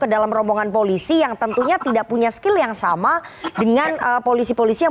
ke dalam rombongan polisi yang tentunya tidak punya skill yang sama dengan polisi polisi yang